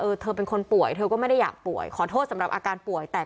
เธอเป็นคนป่วยเธอก็ไม่ได้อยากป่วยขอโทษสำหรับอาการป่วยแต่